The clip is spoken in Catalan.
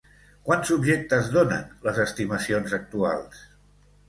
Quants objectes donen les estimacions actuals?